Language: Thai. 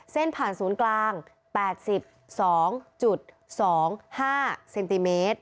เส้นผ่านศูนย์กลาง๘๒๒๕เซนติเมตร